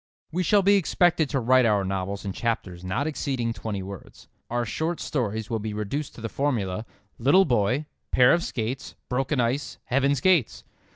We shall be expected to write our novels in chapters not exceeding twenty words. Our short stories will be reduced to the formula: "Little boy. Pair of skates. Broken ice, Heaven's gates."